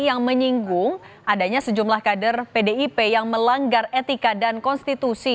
yang menyinggung adanya sejumlah kader pdip yang melanggar etika dan konstitusi